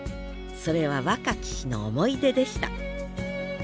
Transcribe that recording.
それは若き日の思い出でした